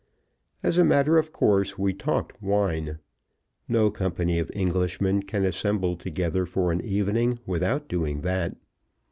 As a matter of course, we talked wine. No company of Englishmen can assemble together for an evening without doing that.